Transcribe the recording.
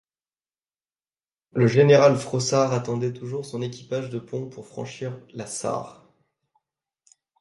Le général Frossard attendait toujours son équipage de ponts pour franchir la Sarre.